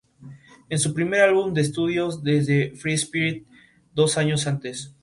Es su primer álbum de estudio desde Free Spirit dos años antes.